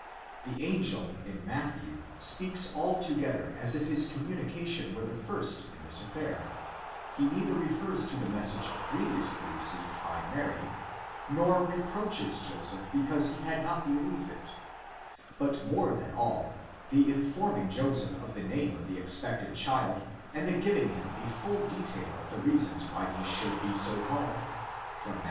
The angel (in Matthew) speaks altogether as if his communication were the first in this affair: he neither refers to the message previously received by Mary, nor reproaches Joseph because he had not believed it ; but more than all, the informing Joseph of the name of the expected child, and the giving him a full detail of the reasons why he should be so called, (Matt.